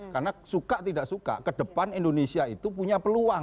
karena suka tidak suka ke depan indonesia itu punya peluang